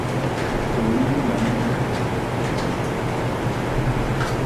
Oloun o ne ma anem.